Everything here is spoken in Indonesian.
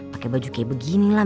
pake baju kayak begini lah